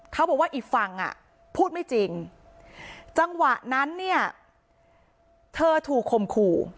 เขาบอกว่าอีกฝั่งอ่ะพูดไม่จริงจังหวะนั้นเนี่ยเธอถูกคมขู่